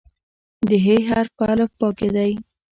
د "ح" حرف په الفبا کې دی.